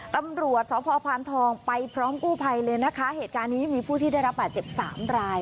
ตำรวจสพพานทองไปพร้อมกู้ภัยเลยนะคะเหตุการณ์นี้มีผู้ที่ได้รับบาดเจ็บสามราย